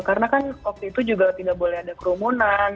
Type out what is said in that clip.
karena kan waktu itu juga tidak boleh ada kerumunan